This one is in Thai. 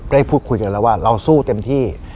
ได้พูดคุยกันแล้วว่าเราสู้เต็มที่